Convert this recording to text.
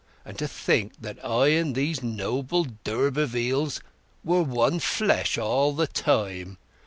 And to think that I and these noble d'Urbervilles were one flesh all the time.